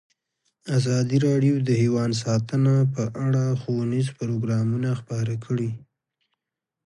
ازادي راډیو د حیوان ساتنه په اړه ښوونیز پروګرامونه خپاره کړي.